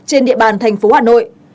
trên địa bàn thành phố hà nội